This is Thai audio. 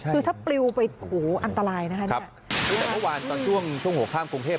คือถ้าปลิวไปโอ้โหอันตรายนะคะแต่เมื่อวานตอนช่วงหัวข้ามกรุงเทพฯ